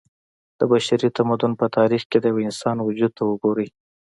د بشري تمدن په تاريخ کې د يوه انسان وجود ته وګورئ